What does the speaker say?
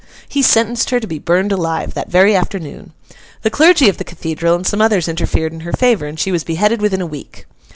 He sentenced her to be burned alive, that very afternoon. The clergy of the cathedral and some others interfered in her favour, and she was beheaded within a week.